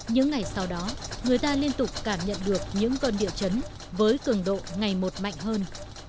những ngày sau đó người ta liên tục cảm nhận được những cơn điệu chấn với cường độ ngày một mạnh hơn